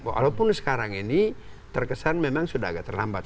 walaupun sekarang ini terkesan memang sudah agak terlambat